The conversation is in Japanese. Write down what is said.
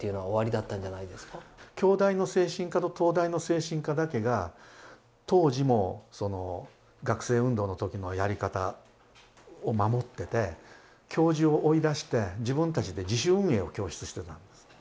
京大の精神科と東大の精神科だけが当時も学生運動の時のやり方を守ってて教授を追い出して自分たちで自主運営を供出してたんです。